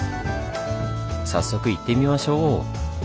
早速行ってみましょう！